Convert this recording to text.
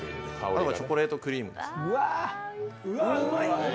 中はチョコレートクリームです。